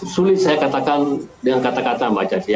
sulit saya katakan dengan kata kata mbak caci